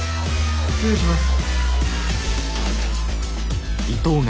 失礼します。